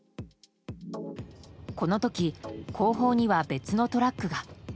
この時、後方には別のトラックが。